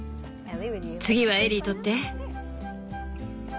次はエリー取って。